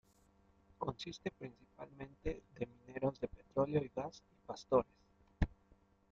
Consiste principalmente de mineros de petróleo y gas y pastores.